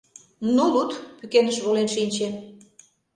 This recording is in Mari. — Ну, луд, — пӱкеныш волен шинче.